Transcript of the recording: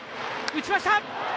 打ちました！